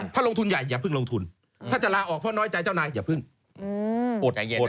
ถ้าลงทุนใหญ่อย่าเพิ่งลงทุนถ้าจะลาออกเพราะน้อยใจเจ้านายอย่าเพิ่งอดเย็นอด